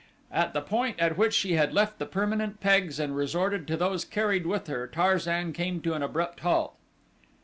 At the point at which she had left the permanent pegs and resorted to those carried with her Tarzan came to an abrupt halt.